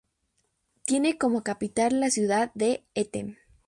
Tiene como capital la ciudad de Eten.